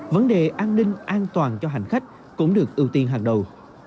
vấn đề an ninh an toàn cho hành khách cũng được ưu tiên hàng đầu